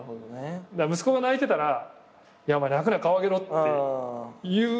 息子が泣いてたら「泣くな顔上げろ」って言うから。